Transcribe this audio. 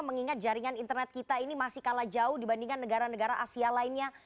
mengingat jaringan internet kita ini masih kalah jauh dibandingkan negara negara asia lainnya